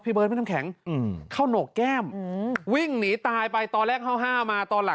พี่เบิร์ดไม่ทำแข็งเข้านกแก้มวิ่งหนีตายไปตอนแรกฮ่ามา